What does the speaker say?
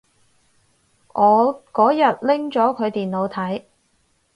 我嗰日拎咗佢電話睇